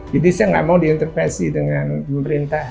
jadi saya nggak mau diintervensi dengan pemerintah